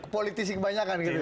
di luar politisi kebanyakan gitu ya